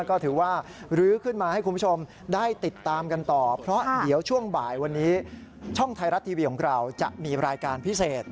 ก็ถือว่าลื้อขึ้นมาให้คุณผู้ชมได้ติดตามกันต่อเพราะเดี๋ยวช่วงบ่ายวันนี้ช่องไทยรัฐทีวีของเราจะมีรายการพิเศษ